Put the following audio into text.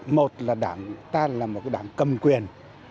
một là đảng ta là một đảng cầm quyền